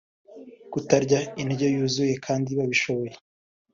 kutarya indyo yuzuye kandi babishoboye